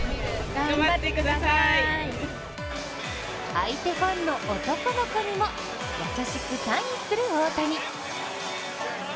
相手ファンの男の子にも優しくサインする大谷。